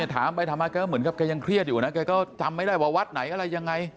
ถามไปถามมาแกเหมือนกับแกยังเครียดอยู่นะแกก็จำไม่ได้ว่าวัดไหนอะไรยังไง